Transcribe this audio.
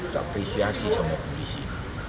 tak apresiasi sama kondisi